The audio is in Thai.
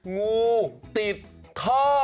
งูติดท่อ